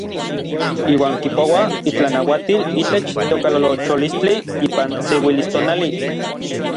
Iuan kipouaj itlanauatil itech teokalolocholistli ipan seuilistonali.